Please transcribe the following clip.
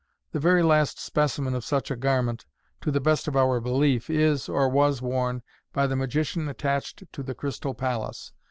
The very last specimen of such a garment, to the best of our belief, is, or was, worn by the magician attached to the Crystal Palace.